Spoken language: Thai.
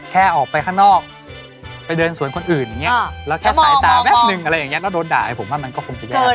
แค่ออกไปข้างนอก